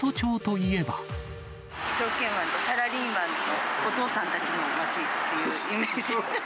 証券マン、サラリーマン、お父さんたちの街っていうイメージ。